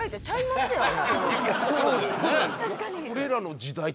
確かに。